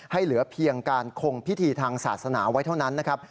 เหลือเพียงการคงพิธีทางศาสนาไว้เท่านั้นนะครับ